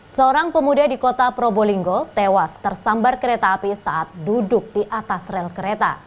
seorang pemuda di kota probolinggo tewas tersambar kereta api saat duduk di atas rel kereta